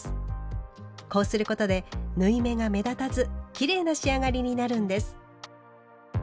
こうすることで縫い目が目立たずきれいな仕上がりになるんです。